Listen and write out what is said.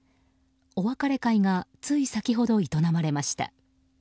お別れ会がつい先ほど営まれました。